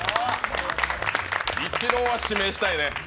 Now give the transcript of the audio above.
イチローは指名したいね。